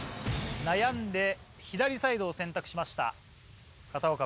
悩んで左サイドを選択しました片岡